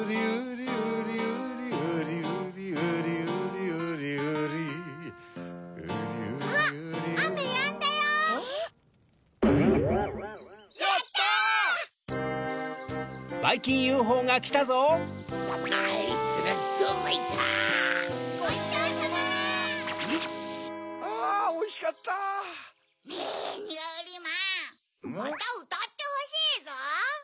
またうたってほしいゾウ。